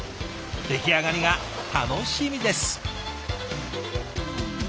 出来上がりが楽しみです。